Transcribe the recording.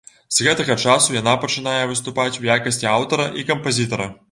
З гэтага часу яна пачынае выступаць у якасці аўтара і кампазітара.